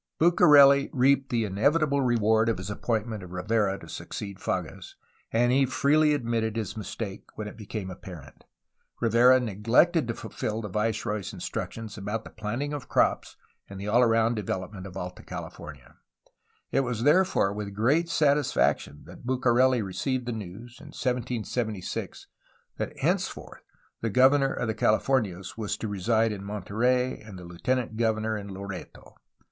BucareU reaped the inevitable reward of his appointment of Rivera to succeed Fages, and he freely admitted his mis take when it became apparent. Rivera neglected to fulfil the viceroy's instructions about the planting of crops and the all round development of Alta Cahfornia. It was there fore with great satisfaction that Bucareli received the news, in 1776, that henceforth the governor of the Californias was to reside in Monterey and the lieutenant governor in Loreto.